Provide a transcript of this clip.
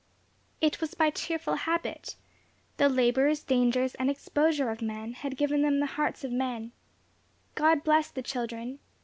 It was by cheerful habit. The labours, dangers, and exposure of men, had given them the hearts of men. God bless the children!